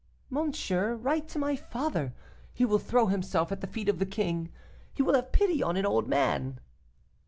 'Monsieur, write to my father; he will throw himself at the feet of the king. He will have pity on an old man.